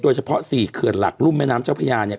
เฉพาะ๔เขื่อนหลักรุ่มแม่น้ำเจ้าพญาเนี่ย